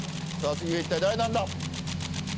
次は一体誰なんだ？